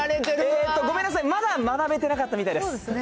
ごめんなさい、まだ学べてなかっそうですね。